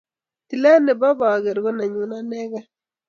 Tilet nebo bakeer ko nenyu anekei